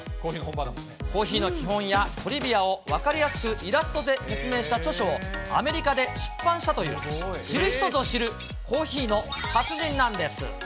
コーヒーの基本やトリビアを分かりやすくイラストで説明した著書をアメリカで出版したという知る人ぞ知る、コーヒーの達人なんです。